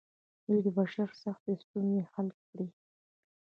دوی د بشر سختې ستونزې حل کوي.